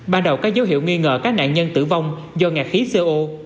ban đầu các dấu hiệu nghi ngờ các nạn nhân tử vong do ngạc khí co